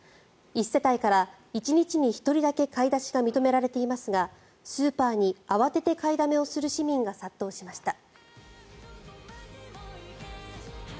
１世帯から１日に１人だけ買い出しが認められていますがスーパーに慌てて買いだめをする市民が殺到しました。